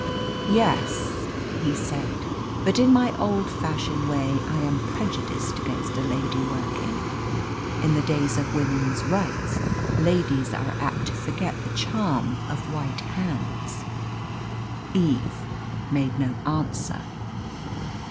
"Yes," he said. "But in my old fashioned way I am prejudiced against a lady working. In the days of women's rights ladies are apt to forget the charm of white hands." Eve made no answer.